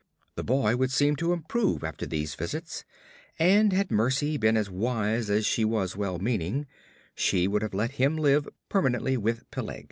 The boy would seem to improve after these visits, and had Mercy been as wise as she was well meaning, she would have let him live permanently with Peleg.